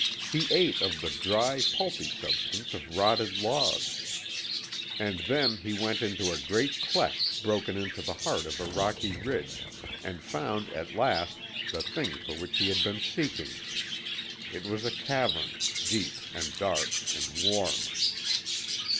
He ate of the dry, pulpy substance of rotted logs. And then he went into a great cleft broken into the heart of a rocky ridge, and found at last the thing for which he had been seeking. It was a cavern deep, and dark, and warm.